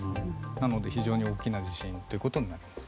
なので非常に大きな地震ということになります。